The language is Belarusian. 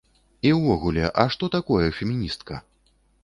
І ўвогуле, а што такое феміністка?